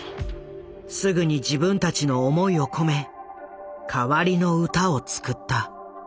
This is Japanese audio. すぐに自分たちの思いを込め代わりの歌を作った。